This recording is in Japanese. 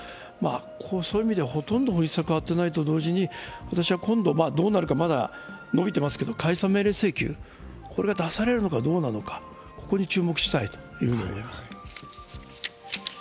そういう意味ではほとんど本質は変わっていないと同時に私は今度どうなるかまだ伸びてますけど解散命令請求が出されるのか注目したいと思います。